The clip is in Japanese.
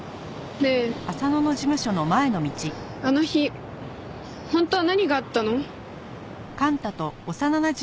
ねえあの日本当は何があったの？